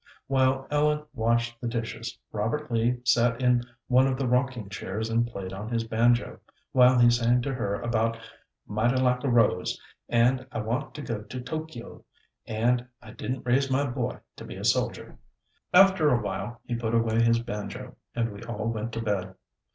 While Ellen washed the dishes, Robert Lee sat in one of the rocking chairs and played on his banjo while he sang to her about "Mighty Lak a Rose," and "I Want to Go to Tokio," and "I Didn't Raise My Boy to Be a Soldier." After a while, he put away his banjo, and we all went to bed.